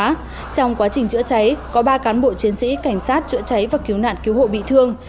trong quá trình chữa cháy có ba cán bộ chiến sĩ cảnh sát chữa cháy và cứu nạn cứu hộ bị thương